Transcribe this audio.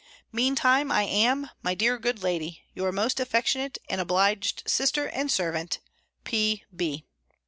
Meantime I am, my dear good lady, your most affectionate, and obliged sister and servant, P.B.